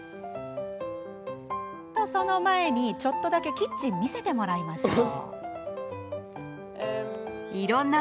と、その前に、ちょっとだけキッチンを見せてもらいましょう。